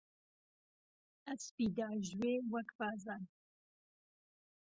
ئهسپی داژوێ وەک بازان